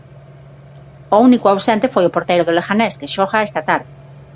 O único ausente foi o porteiro do Leganés, que xoga esta tarde.